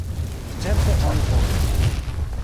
Certe oni povos.